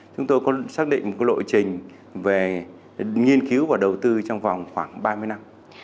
chúng tôi có xác định một lộ trình về nghiên cứu và đầu tư trong vòng khoảng ba mươi năm